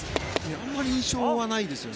あんまり印象はないんですよね。